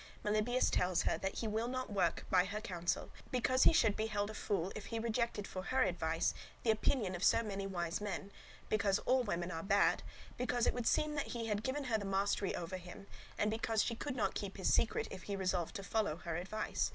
Melibœus tells her that he will not work by her counsel, because he should be held a fool if he rejected for her advice the opinion of so many wise men; because all women are bad; because it would seem that he had given her the mastery over him; and because she could not keep his secret, if he resolved to follow her advice.